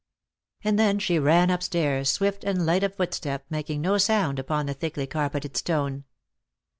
And then she ran np stairs, swift and light of footstep, making no sound upon the thickly carpeted stone.